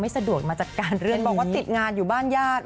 ไม่สะดวกมาจากการเรื่องเล่นบ้างมีติดงานอยู่บ้านญาติ